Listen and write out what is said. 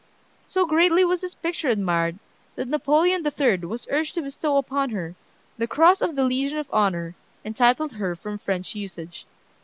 So greatly was this picture admired, that Napoleon III. was urged to bestow upon her the Cross of the Legion of Honor, entitled her from French usage.